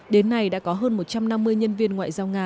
đến nay đã có hơn một trăm năm mươi nhân viên ngoại giao nga